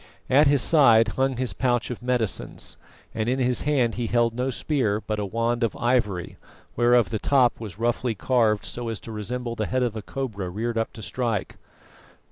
At his side hung his pouch of medicines, and in his hand he held no spear, but a wand of ivory, whereof the top was roughly carved so as to resemble the head of a cobra reared up to strike.